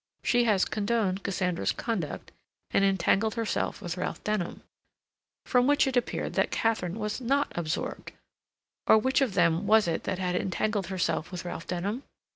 "She has condoned Cassandra's conduct and entangled herself with Ralph Denham." From which it appeared that Katharine was not absorbed, or which of them was it that had entangled herself with Ralph Denham?